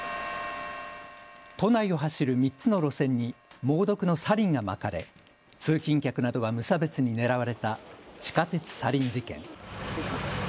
都内を走る３つの路線に猛毒のサリンがまかれ通勤客などが無差別に狙われた地下鉄サリン事件。